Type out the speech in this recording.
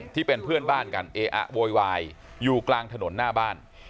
ที่เป็นเพื่อนบ้านกันเออะโวยวายอยู่กลางถนนหน้าบ้าน